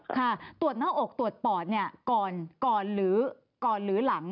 ค่ะตรวจหน้าอกตรวจปอดก่อนหรือหลัง